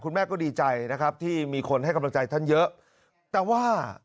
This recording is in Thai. คุณแม่ก็ดีใจนะครับที่มีคนให้กำลังใจท่านเยอะ